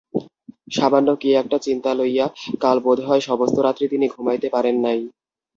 সামান্য কী-একটা চিন্তা লইয়া কাল বোধ হয় সমস্তরাত্রি তিনি ঘুমাইতে পারেন নাই।